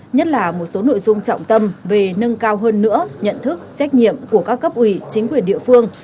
nhất là một số nội dung trọng tâm về nâng cao hơn nữa nhận thức trách nhiệm của các cấp ủy chính quyền địa phương